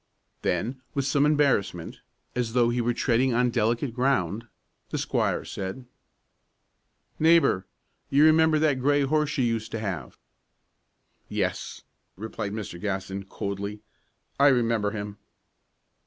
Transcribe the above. Then with some embarrassment, as though he were treading on delicate ground, the squire said, "Neighbor, you remember that gray horse you used to have?" "Yes," replied Mr. Gaston, coldly. "I remember him."